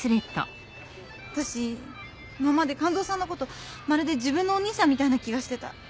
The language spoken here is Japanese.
わたし今まで完三さんのことまるで自分のお兄さんみたいな気がしてた。